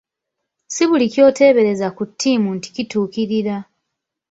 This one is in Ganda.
Si buli ky'oteebereza ku ttiimu nti kituukirira.